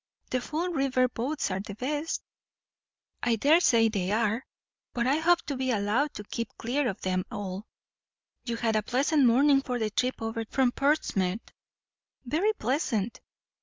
"The Fall River boats are the best." "I daresay they are, but I hope to be allowed to keep clear of them all. You had a pleasant morning for the trip over from Portsmouth." "Very pleasant."